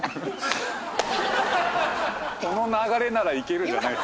「この流れならいける」じゃない。